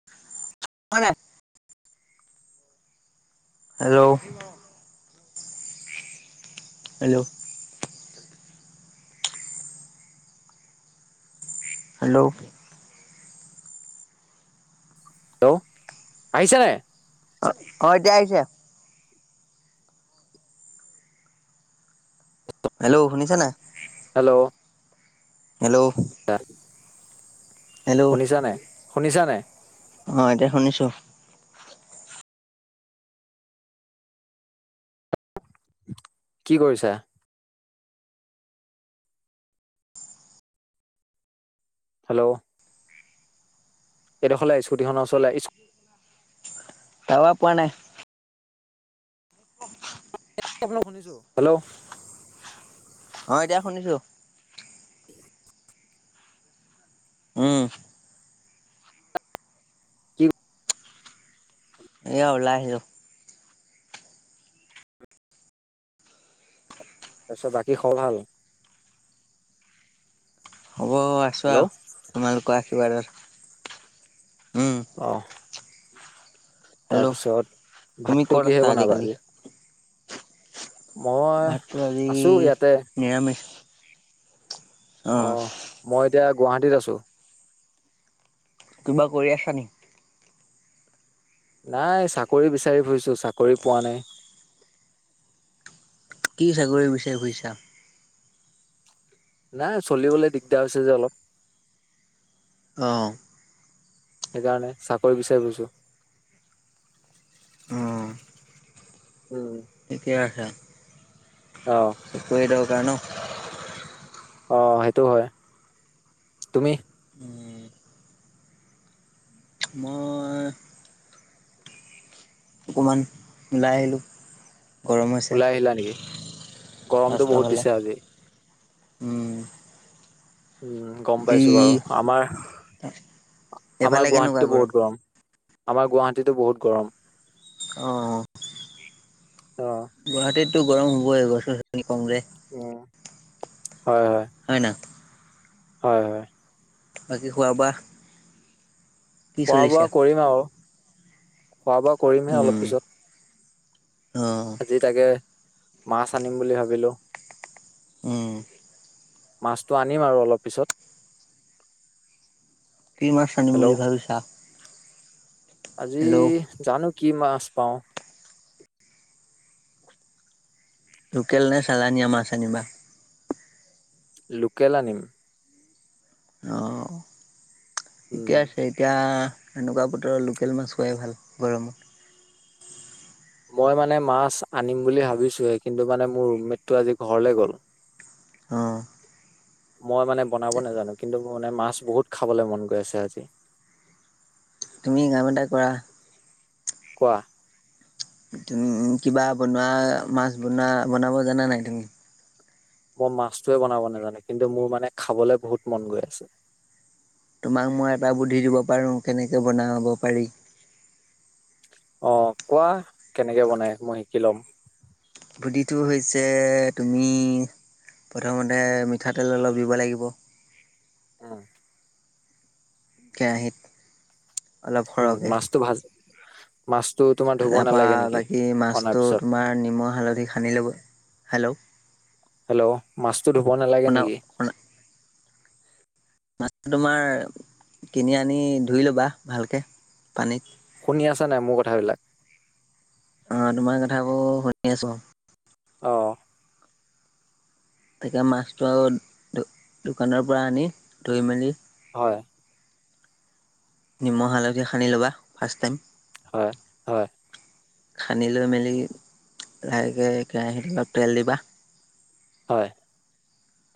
[unintelligible] Hello? Hello? Hello? Hello আহিছে? অ অ এতিয়া আহিছে। হেল্ল' শুনিছা নাই? হেল্ল'? হেল্ল'? তা, হেল্ল' শুনিছানে শুনিছানে? অ এতিয়া শুনিছো। কি কৰিছা? হেল্ল'? এইডখলে স্কুটিখনৰ ওচৰলে ইচ [inaudible] পোৱা নাই। [inaudible] [inaudible] শুনিছো হেল্ল'? অ এতিয়া শুনিছো। উম। কি এয়া ওলাই আহিছো। তাৰপিছত বাকী খবৰ ভাল? খবৰ আছো হেল্ল' আৰু তোমালোকৰ আশীৰ্বাদৰ উম। অ। হেল্ল' তাৰ পিছত তুমি ভাতটো ক'ত কিহে আছা বনাবা আজিকালি আজি? মই ভাতটো আজি আছো ইয়াতে নিৰামিষ। অ অহ, মই এতিয়া গুৱাহাটীত আছো। কিবা কৰি আছা নি? নাই চাকৰি বিচাৰি ফুৰিছো, চাকৰি পোৱা নাই। কি চাকৰি বিচাৰি ফুৰিছা? নাই চলিবলৈ দিগদাৰ হৈছে যে অলপ। অ। সেইকাৰণে চাকৰি বিচাৰি ফুৰিছো। অ উম। ঠিকে আছে। অ। এইটোৱে দৰকাৰ ন? অ' সেইটো হয়। তুমি মই অকমান ওলাই আহিলো। গৰম হৈছে, ওলাই আহিলা নেকি গৰমটো ৰাস্তা বহুত ফালে দিছে আজি উম। উম গম যি পাইছো বাৰু। আমাৰ আ এইফালে আমাৰ কেনেকুৱা গুৱাহাটীতো বহুত গৰম, আমাৰ গুৱাহাটীতো বহুত গৰম। অ অ অ'। গুৱাহাটীতো গৰম হ'বই, গছ - গছনি কম যে। উ হয় হয়। হয় না। হয় হয়। বাকী খোৱা বোৱা কি খোৱা বোৱা চলিছে? কৰিম আৰু খোৱা বোৱা কৰিমহে উম, অলপ পিছত অ', আজি তাকে মাছ আনিম বুলি ভাবিলো। উম মাছটো আনিম আৰু অলপ পিছত। কি মাছ আনিম বুলি হেল্ল' ভাবিছা? আজি হেল্ল' জানো কি মাছ পাওঁ। লোকেল নে চালানিয়া মাছ আনিবা? লোকেল আনিম। অঁ ঠিকে উম আছে। এতিয়া এনেকুৱা বতৰত লোকেল মাছ খোৱাই ভাল। গৰমত মই মানে মাছ আনিম বুলি ভাবিছো হে। কিন্তু মানে মোৰ ৰুমমেটটো আজি ঘৰলে গ'ল। অ' মই মানে বনাব নাজানো, কিন্তু মোৰ মানে মাছ বহুত খাবলে মন গৈ আছে আজি। তুমি কাম এটা কৰা। কোৱা তুমি কিবা বনোৱা মাছ বনোৱা বনাব জানা নাই তুমি? মই মাছটোৱে বনাব নাজানে, কিন্তু মোৰ মানে খাবলে বহুত মন গৈ আছে। তোমাক মই এটা বুদ্ধি দিব পাৰোঁ, কেনেকৈ বনাব পাৰি। অ' কোৱা কেনেকে বনাই, মই শিকি ল'ম। বুদ্ধিটো হৈছে, তুমি প্ৰথমতে মিঠাতেল অলপ দিব লাগিব উম কেৰাহিত উম মাছতো ভাজ মাছতো তোমাৰ ধুব তাপা নালাগে নেকি বাকী অনাৰ মাছটো পিছত তোমাৰ নিমখ, হা'লধি, সানি ল'ব, হেল্ল'? হেল্ল' মাছটো ধুব নালাগে শুনা নেকি? শুনা মাছটো তোমাৰ কিনি আনি ধুই ল'বা ভালকে পানীত। শুনি আছা নে মোৰ কথাবিলাক? অ তোমাৰ কথাবোৰ শুনি আছো অঁ তাকে মাছটো আৰু দোকানৰ পৰা আনি, ধুই মেলি হয়। নিমখ হালধি সানি ল'বা ফাৰ্ষ্ট টাইম। হয় হয়। সিনি লৈ মেলি লাহেকে কেৰাহীত অলপ তেল দিবা হয়।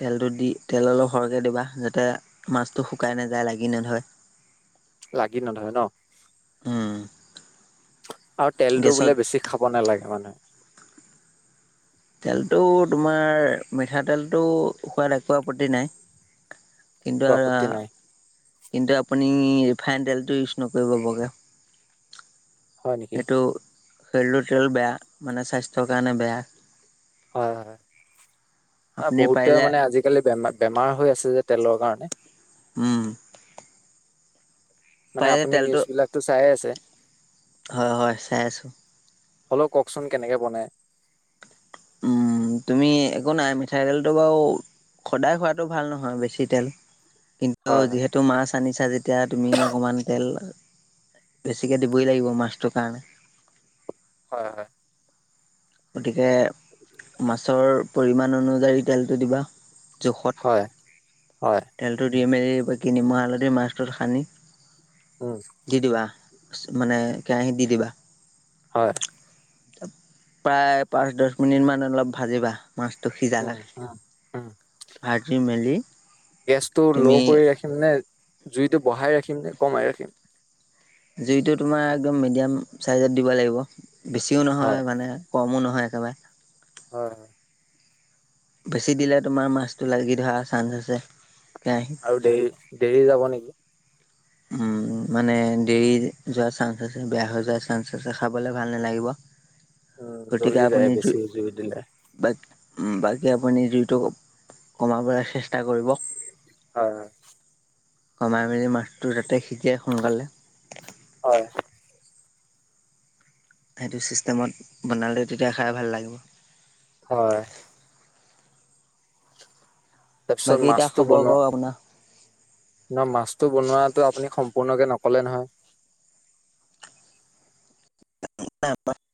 তেলটো দি তেল অলপ সৰহকে দিবা, যাতে মাছটো শুকাই নাযায় লাগি নধৰে। [inaudible] লাগি নধৰে ন উম আৰু তেলটো গেছত বোলে বেছি খাব নালাগে মানে তেলটো তোমাৰ মিঠাতেলটো খোৱাদ একো আপত্তি নাই কিন্তু একো আৰু আপত্তি নাই [unintelligible] কিন্তু আপুনি ৰিফাইন তেলটো ইউজ নকৰিব বগা হয় নেকি সেইটো [unintelligible] বেয়া মানে স্বাস্থ্যৰ কাৰণে বেয়া। হয়, হয় আপুনি বহুতে পাৰিলে মানে আজিকালি বেমাৰ বেমাৰ হৈ আছে যে তেলৰ কাৰণে। উম। মানে পাৰিলে আপুনি তেলটো নিউজ বিলাকতো চাই আছে। হয়, হয় চাই আছোঁ। হ'লেও কওকচোন কেনেকে বনাই। তুমি একো নাই মিঠাইতেলটো বাৰু সদায় খোৱাতটো ভাল নহয় বেছি তেল, কিন্তু হয় হয় যিহেতু মাছ আনিছা যে এতিয়া তুমি অকণমান তেল বেছিকে দিবই লাগিব মাছটোৰ কাৰণে। হয়, হয়। গতিকে মাছৰ পৰিমাণ অনুযায়ী তেলটো দিবা জোখত। হয়, হয়। তেলটো দি মেলি ম‌ই আগতে নিমখ হালধি মাছটোত সানি উ। দি দিবা মানে কেৰাহীত দি দিবা। হয়। প্ৰায় পাঁচ দহ মিনিট মান অলপ ভাজিবা। মাছটো সিজা উম লৈ উম উম ভাজি মেলি গেছটো ল' তুমি কৰি ৰাখিম নে জুইটো বঢ়াই ৰাখিম নে কমাই ৰাখিম। জুইটো তোমাৰ একদম মিডিয়াম চাইজত দিব লাগিব বেছিও হয় নহয় মানে কমো নহয় একেবাৰে। হয়, হয়। বেছি দিলে তোমাৰ মাছটো লাগি ধৰা চান্স আছে কেৰাহিত আৰু দেহি দেৰি যাব নেকি। উ মানে দেৰি যোৱা চান্স আছে বেয়া হৈ যোৱাৰ চাঞ্চ আছে খাবলৈ ভাল নালাগিব। [inaudible] উম গতিকে জ্বলি যায় আপুনি বেছি জুই দিলে। বা বাকী আপুনি জুইটো কমাবলৈ চেষ্টা কৰিব। হয়, হয়। কমাই মেলি মাছটো যাতে সিজেই সোনকালে। হয়। সেইটো ছিষ্টেমত বনালে তেতিয়া খাই ভাল লাগিব। হয়। তাৰপিছত বাকী এতিয়া মাছটো খবৰ বনোৱা। কওক আপোনাৰ? নহ মাছতটো বনোৱাটো আপুনি সম্পূৰ্ণকে নকলে নহয়।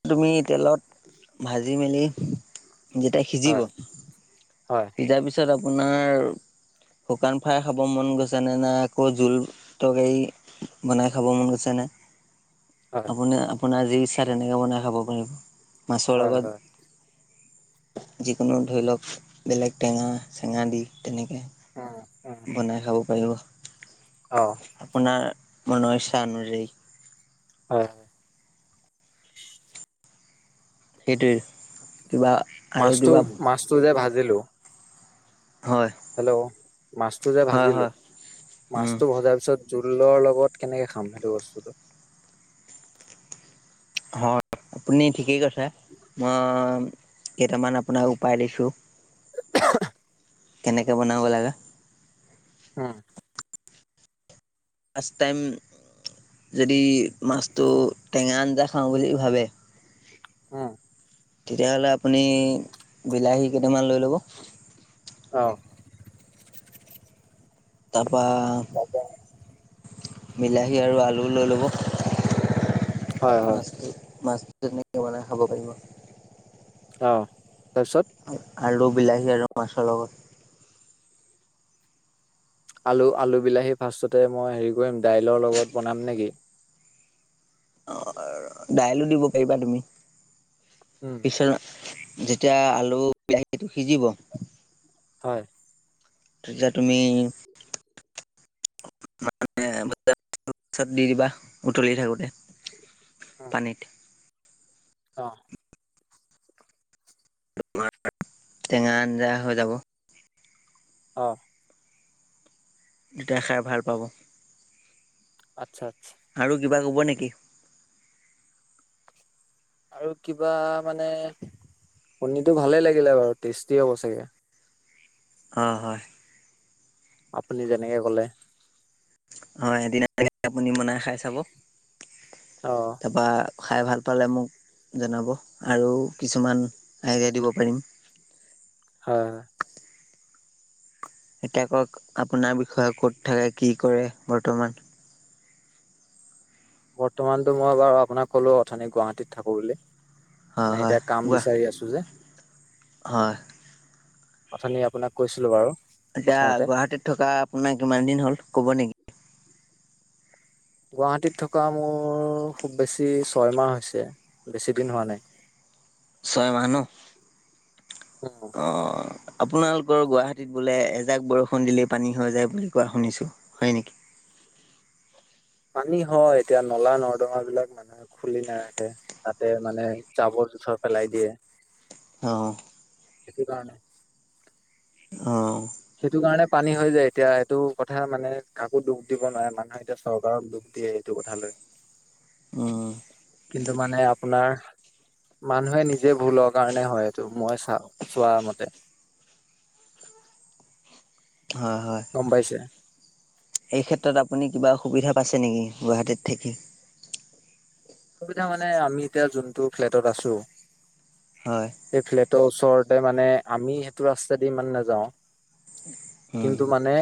তুমি তেলত ভাজি মেলি যেতিয়া সিজিব হয় হয় সিজাৰ পিছত আপোনাৰ শুকান ফ্ৰাই খাব মন গৈছেনে নাই আকৌ জোল তৰকাৰী বনাই খাব মন গৈছেনে হয় আপুনি আপোনাৰ যি ইচ্ছা তেনেকে বনাই খাব পাৰিব মাছৰ হয় লগত হয় যিকোনো ধৰি লওক বেলেগ টেঙা চেঙা দি তেনেকে উম উম বনাই খাব পাৰিব আৰু। অ'। আপোনাৰ মনৰ ইচ্ছা অনুযায়ী। হয়। সেইটোৱে। কিবা আৰু মাছটো, কিবা মাছটো যে ভাজিলো হয়। হেল্ল' মাছটো যে হয় ভাজিলো হয় উম মাছটো ভজাৰ পিছত জোলৰ লগত কেনেকে খাম সেইটো বস্তুটো? হয়, আপুনি ঠিকেই কৈছে, মই কেইটামান আপোনাক উপায় দিছো। কেনেকে বনাব লাগে। উম। ৰ্ফাষ্ট টাইম যদি মাছটো টেঙা আঞ্জা খাওঁ বুলি ভাবে। উমঁ। তেতিয়া হ'লে আপুনি বিলাহী কেইটামান লৈ ল'ব অহ'। তাৰপৰা বিলাহী আৰু আলু লৈ ল'ব, হয়, হয়, মাছটো মাছ তেনে কে বনাই খাব পাৰিব। অহ' তাৰপিছত? আলু, বিলাহী আৰু মাছৰ লগত। আলু, আলু বিলাহী ফাৰ্ষ্টতে মই হেৰি কৰিম ডাইলৰ লগত বনাম নেকি? অঁ' দাইলো দিব পাৰিবা তুমি, উম, পিছত যেতিয়া আলু বিলাহীটো সিজিব হয়। তেতিয়া তুমি [unintelligible] মানে [unintelligible] দি দিবা উতলি থাকোতে। পানীত। অঁ। [inaudible] টেঙা আঞ্জা হৈ যাব। অঁ। তেতিয়া খাই ভাল পাব। আচ্ছা-আচ্ছা'। আৰু কিবা ক'ব নেকি? আৰু কিবা মানে শুনিটো ভালে লাগিলে বাৰু টেষ্টি হ'ব চাগে। অহ' হয়। আপুনি যেনেকে ক'লে। হয়, এদিন আপুনি বনাই খাই চাব। অঁ। তাৰপৰা খাই ভাল পালে মোক জনাব আৰু কিছুমান আইডিয়া দিব পাৰিম। হয় হয়। এতিয়া ক'ক আপোনাৰ বিষয়ে ক'ত থাকে কি কৰে বৰ্তমান? বৰ্তমানতো মই বাৰু আপোনাক ক'লো অথনি গুৱাহাটীত থাকো বুলি। হয় মানে হয়, এতিয়া কাম কোৱা? বিচাৰি আছো যে। হয়। অথনি আপোনাক কৈছিলো বাৰু এতিয়া প্ৰথমতে গুৱাহাটীত থকা আপোনাৰ কিমান দিন হ'ল ক'ব নেকি? গুৱাহাটীত থকা মোৰ খুব বেছি ছয়মাহ হৈছে। বেছি দিন হোৱা নাই। ছয় মাহ ন উম অহ আপোনালোকৰ গুৱাহাটীত বোলে এজাক বৰষুণ দিলেই পানী হৈ যায় বুলি কোৱা শুনিছো হয় নেকি? পানী হয় এতিয়া নলা নৰ্দঙা বিলাক মানে খুলি নাৰাখে তাতে মানে জাবৰ জোথৰ পেলাই দিয়ে। অঁ সেইটো কাৰণে। অ' সেইটো কাৰণে পানী হৈ যায় এতিয়া এইটো কথা মানে কাকো দুখ দিব নোৱাৰে মানুহে। এতিয়া চৰকাৰৰ দুখ দিয়ে এইটো কথা লৈ। [inaudible] অঁ কিন্তু মানে আপোনাৰ মানুহে নিজে ভুলৰ কাৰণে হয় এইটো মই চাওঁ চোৱা মতে হয় হয় গম পাইছে। এই ক্ষেত্ৰত আপুনি কিবা অসুবিধা পাইছে নেকি গুৱাহাটীত থাকি। অসুবিধা মানে আমি এতিয়া যোনতটো ফ্লেটত আছো। হয়। এই ফ্লেটৰ ওচৰতে মানে আমি সেইটো ৰাস্তা দি ইমান নাযাও। উম কিন্তু মানে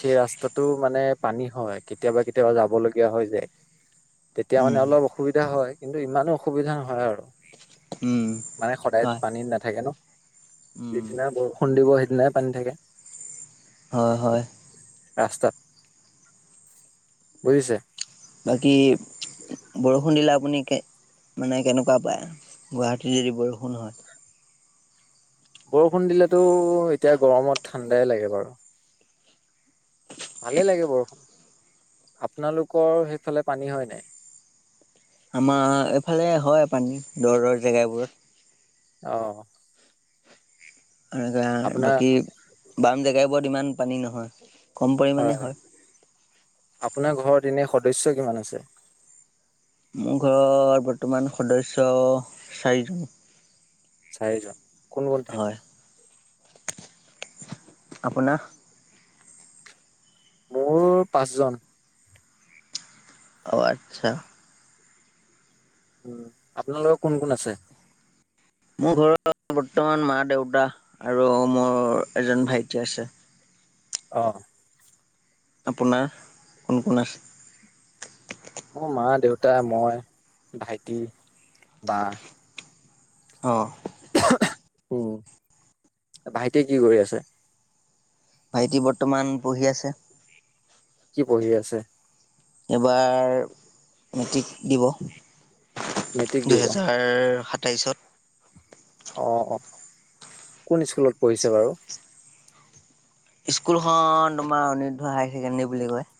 সেই ৰাস্তাটো মানে পানী হয় কেতিয়াবা কেতিয়াবা যাব লগীয়া হয় যায়। তেতিয়া মানে উম অলপ অসুবিধা হয় কিন্তু ইমানো অসুবিধা নহয় আৰু। উম মানে সদায় হয় পানীত নাথাকে ন - উম যিদিনা বৰষুণ দিব সেইদিনাই পানী থাকে। হয় হয় ৰাস্তাত বুজিছে। বাকী বৰষুণ দিলে আপুনি মানে কেনেকুৱা পায় গুৱাহাটীত যদি বৰষুণ হয় বৰষুণ দিলেতো এতিয়া গৰমত ঠাণ্ডাই লাগে বাৰু ভালে লাগে বাৰু আপোনালোকৰ সেইফালে পানী হয় নাই? আমাৰ এইফালে হয় পানী দৰ দৰ জেগাবোৰত। অ এনেকৈ আপোনাৰ বাকী বাম জেগাইবোৰত ইমান পানী নহয়। কম পৰিমাণে হয় হয় আপোনাৰ ঘৰত এনে সদস্য কিমান আছে? মোৰ ঘৰৰ বৰ্তমান সদস্য চাৰিজন। চাৰিজন। কোন কোন থাকে হয় আপোনাৰ? মোৰ পাঁচ জন অ আচ্ছা উম, আপোনালোকৰ কোন কোন আছে? মোৰ ঘৰত বৰ্তমান মা দেউতা আৰু মোৰ এজন ভাইটি আছে। অ'। আপোনাৰ কোন কোন আছে? মোৰ মা, দেউতা, মই, ভাইটি, বা। অ'। উম, ভাইটিয়ে কি কৰি আছে? ভাইটি বৰ্তমান পঢ়ি আছে। কি পঢ়ি আছে? এইবাৰ মেট্ৰিক দিব। মেট্ৰিক দিব অ দুহেজাৰ আ, সাতাইছত। অ', অ'। কোন স্কুলত পঢ়িছে বাৰু? স্কুলখন তোমাৰ অনিৰুদ্ধ হায়াৰ ছেকেণ্ডেৰী বুলি কয়।